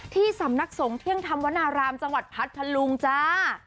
ที่สำนักสงฆ์เที่ยงธรรมวนารามจังหวัดพัทธลุงจ้า